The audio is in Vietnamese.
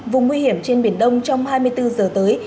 vùng nguy hiểm trên biển đông trong hai mươi bốn giờ tới